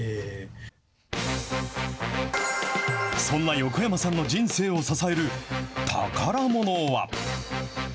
そんな横山さんの人生を支える、宝ものは。